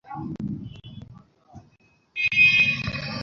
মাল্টিভার্সের ব্যাপারে কী জানো তুমি?